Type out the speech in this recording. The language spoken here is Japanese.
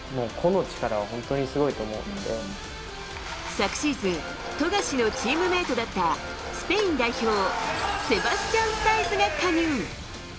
昨シーズン富樫のチームメートだったスペイン代表セバスチャン・サイズが加入。